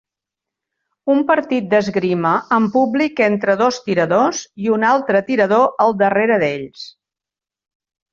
Un partit d'esgrima amb públic entre dos tiradors i un altre tirador al darrere d'ells.